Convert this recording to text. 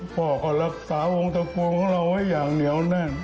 พ่อก็รักษาวงตระกูลของเราไว้อย่างเหนียวแน่น